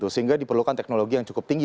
sehingga diperlukan teknologi yang cukup tinggi